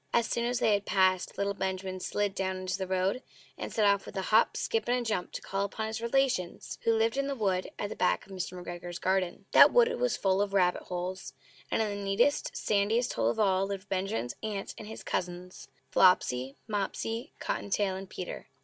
As soon as they had passed, little Benjamin Bunny slid down into the road, and set off with a hop, skip, and a jump to call upon his relations, who lived in the wood at the back of Mr. McGregor's garden. That wood was full of rabbit holes; and in the neatest, sandiest hole of all lived Benjamin's aunt and his cousins Flopsy, Mopsy, Cotton tail, and Peter.